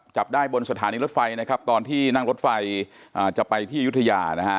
จับได้บนสถานีรถไฟนะครับตอนที่นั่งรถไฟจะไปที่ยุธยานะฮะ